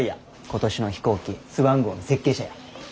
今年の飛行機スワン号の設計者や。